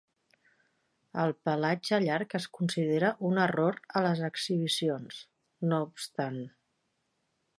El pelatge llarg es considera un error a les exhibicions, no obstant.